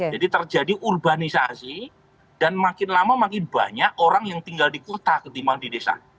jadi terjadi urbanisasi dan makin lama makin banyak orang yang tinggal di kota ketimbang di desa